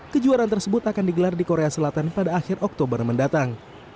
kejuaraan tersebut akan digelar di korea selatan pada akhir oktober mendatang